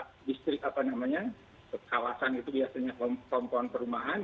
distrik apa namanya kawasan itu biasanya pompoan perumahan